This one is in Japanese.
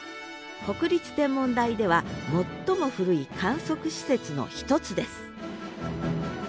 国立天文台では最も古い観測施設の一つです